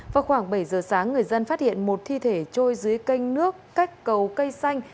vào khoảng bảy giờ sáng người dân phát hiện một thi thể trôi dưới canh nước cách cầu cây xanh